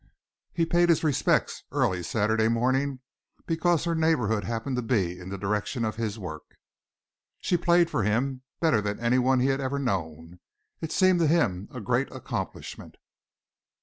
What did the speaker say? He paid his respects early Saturday morning because her neighborhood happened to be in the direction of his work. She played for him better than anyone he had ever known. It seemed to him a great accomplishment.